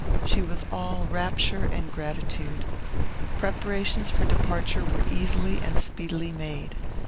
She was all rapture and gratitude. Preparations for departure were easily and speedily made.